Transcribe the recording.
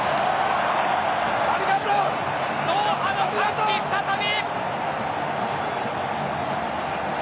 ありがとう、ドーハの歓喜再び。